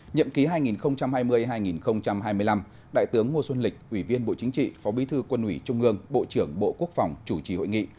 nhậm ký hai nghìn hai mươi hai nghìn hai mươi năm đại tướng ngô xuân lịch ủy viên bộ chính trị phó bí thư quân ủy trung ương bộ trưởng bộ quốc phòng chủ trì hội nghị